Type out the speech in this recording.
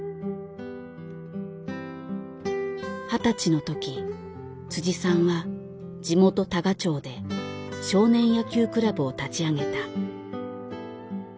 二十歳の時さんは地元多賀町で少年野球クラブを立ち上げた。